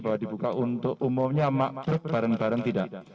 bahwa dibuka untuk umumnya mak bareng bareng tidak